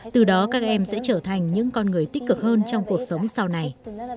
từ đó các em sẽ trở thành những con người tích cực hơn trong cuộc sống sau này